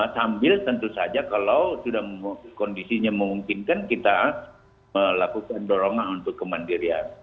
sambil tentu saja kalau kondisinya memungkinkan kita melakukan dorongan untuk kemandirian